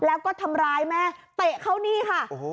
แล้วก็ทำร้ายแม่เตะเข้านี่ค่ะ